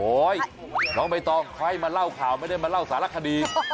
น้องใบตองใครมาเล่าข่าวไม่ได้มาเล่าสารคดี